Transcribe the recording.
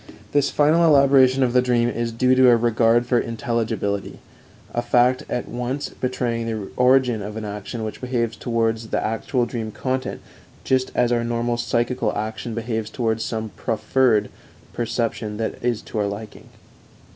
This final elaboration of the dream is due to a regard for intelligibility a fact at once betraying the origin of an action which behaves towards the actual dream content just as our normal psychical action behaves towards some proffered perception that is to our liking.